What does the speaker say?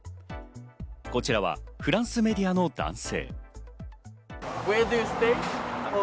こちらはフランスメディアの男性。